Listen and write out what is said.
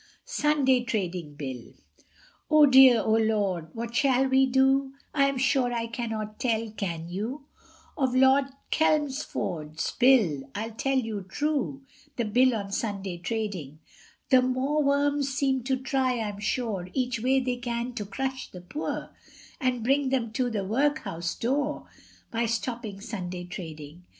SUNDAY TRADING BILL. Oh dear, oh lor, what shall we do? I am sure I cannot tell, can you? Of Lord Chelmsford's Bill, I'll tell you true The Bill on Sunday trading. The mawworms seem to try, I'm sure, Each way they can to crush the poor, And bring them to the workhouse door, By stopping Sunday trading.